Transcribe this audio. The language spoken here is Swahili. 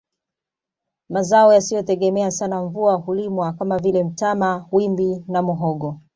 Mazao yasiyotegemea sana mvua hulimwa kama vile mtama wimbi na muhogo